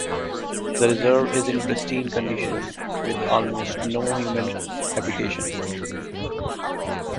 The reserve is in pristine condition with almost no human habitation.